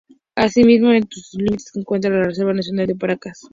Asimismo, dentro de sus límites se encuentra la Reserva nacional de Paracas.